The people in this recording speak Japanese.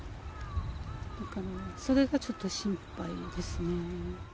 だから、それがちょっと心配ですね。